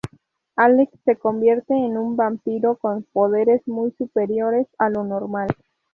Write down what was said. Alex se convierte en un vampiro con poderes muy superiores a lo normal.